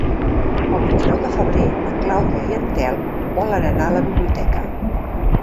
El vint-i-nou de febrer na Clàudia i en Telm volen anar a la biblioteca.